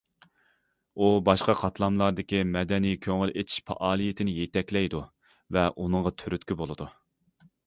ئۇ باشقا قاتلاملاردىكى مەدەنىي كۆڭۈل ئېچىش پائالىيىتىنى يېتەكلەيدۇ ۋە ئۇنىڭغا تۈرتكە بولىدۇ.